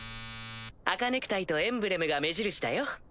赤ネクタイとエンブレムが目印だよ。